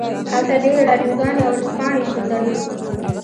هلته ډیرې راډیوګانې او ورځپاڼې شتون درلود